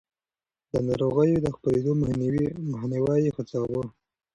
د ناروغيو د خپرېدو مخنيوی يې هڅاوه.